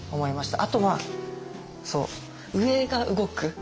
あとは上が動く。